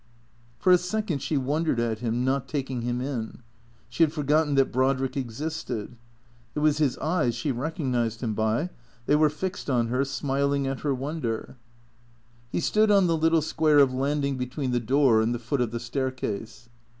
For a second she wondered at him, not taking him in. She had forgotten that Brodrick existed. It was his eves she recog nized him by. They were fixed on her, smiling at her wonder. 142 THE CEEA TOES He stood on the little square of landing between the door and the foot of the staircase.